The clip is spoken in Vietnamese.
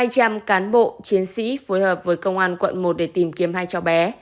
hai trăm linh cán bộ chiến sĩ phối hợp với công an quận một để tìm kiếm hai cháu bé